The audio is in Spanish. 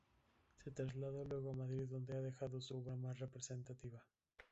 Se trasladó luego a Madrid donde ha dejado su obra más representativa.